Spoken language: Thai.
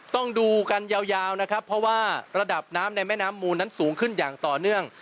ต้องดูกันยาวนะครับเพราะว่าระดับน้ำในแม่น้ำมูลนั้นสูงขึ้นอย่างต่อเนื่อง